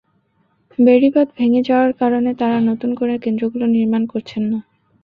বেড়িবাঁধ ভেঙে যাওয়ার কারণে তাঁরা নতুন করে কেন্দ্রগুলো নির্মাণ করছেন না।